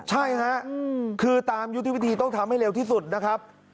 ใช่ฮะคือตามยุทธวิธีต้องทำให้เร็วที่สุดนะครับ